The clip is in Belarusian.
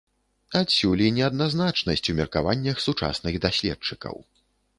Адсюль і неадназначнасць у меркаваннях сучасных даследчыкаў.